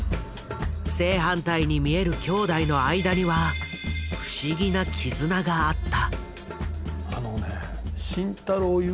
正反対に見える兄弟の間には不思議な絆があった。